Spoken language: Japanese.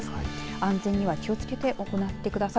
安全には気をつけて行ってください。